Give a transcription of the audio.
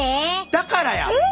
だからや！